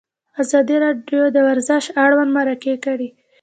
ازادي راډیو د ورزش اړوند مرکې کړي.